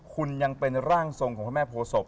คุณยังเป็นร่างทรงของพระแม่โพศพ